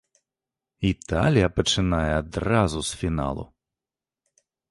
Італія пачынае адразу з фіналу!